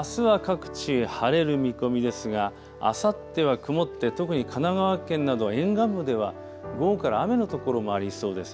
あすは各地で晴れる見込みですがあさっては雲って特に神奈川県など沿岸部では午後から雨のところがありそうです。